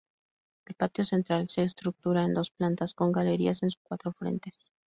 El patio central se estructura en dos plantas con galerías en sus cuatro frentes.